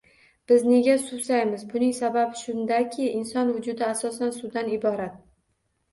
Biz nega suvsaymiz? Buning sababi shundaki, inson vujudi asosan suvdan iborat